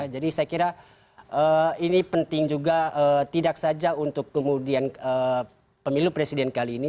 jadi saya kira ini penting juga tidak saja untuk kemudian pemilu presiden kali ini